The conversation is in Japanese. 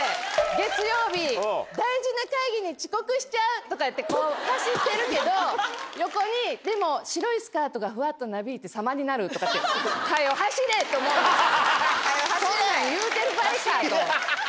「月曜日大事な会議に遅刻しちゃう」。とかいって走ってるけど横に「でも白いスカートがフワッとなびいて様になる」。とかって。って思うんです。